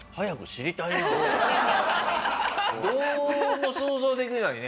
どうも想像できないね。